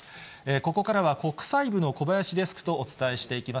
ここからは国際部の小林デスクとお伝えしていきます。